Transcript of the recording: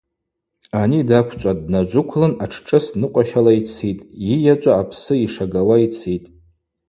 Ани даквчӏватӏ, днаджыквлын атшшӏыс ныкъващала йцитӏ, йыйачӏва апсы йшагауа йцитӏ.